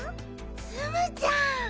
ツムちゃん。